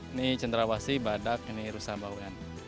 ini centrawas ini badak ini rusa ini bawean